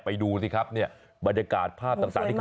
ไปดูสิครับเนี่ยบรรยากาศภาพต่าง